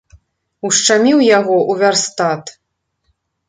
Ушчаміў яго ў вярстат.